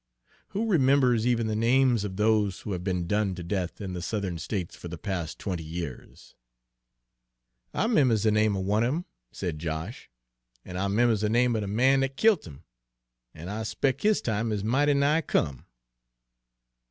Who remembers even the names of those who have been done to death in the Southern States for the past twenty years?" "I 'members de name er one of 'em," said Josh, "an' I 'members de name er de man dat killt 'im, an' I s'pec' his time is mighty nigh come."